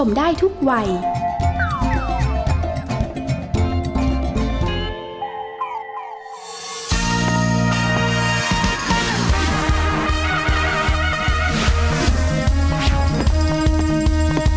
ไฟล์โหลดแล้ว